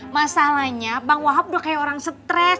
masalahnya bang wahab udah kayak orang stres